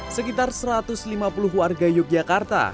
sekitar satu ratus lima puluh warga yogyakarta